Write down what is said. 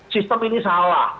sistem ini salah